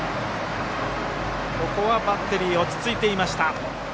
ここはバッテリー落ち着いていました。